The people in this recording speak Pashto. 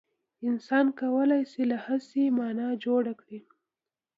انسان کولای شي له هېڅه مانا جوړ کړي.